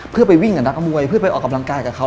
เพื่อไปวิ่งกับนักมวยเพื่อไปออกกำลังกายกับเขา